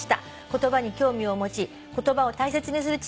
「言葉に興味を持ち言葉を大切にする父でした」